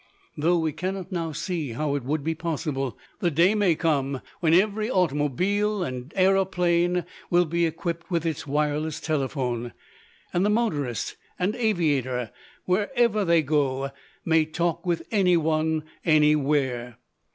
Though we cannot now see how it would be possible, the day may come when every automobile and aeroplane will be equipped with its wireless telephone, and the motorist and aviator, wherever they go, may talk with anyone anywhere.